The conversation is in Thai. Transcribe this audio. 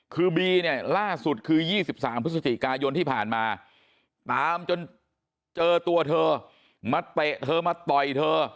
คือบีเนี่ยล่าสุดคือ๒๓พฤศจิกายนที่ผ่านมาตามจนเจอตัวเธอมาเตะเธอมาต่อยเธอ